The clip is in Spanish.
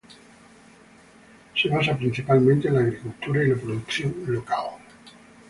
Se basa principalmente en la agricultura y la producción local.